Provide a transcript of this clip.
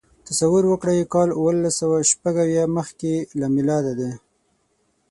تصور وکړئ کال اوولسسوهشپږاویا مخکې له میلاده دی.